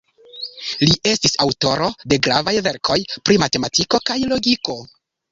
Li estis aŭtoro de gravaj verkoj pri matematiko kaj logiko.